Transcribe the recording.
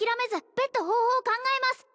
別途方法を考えます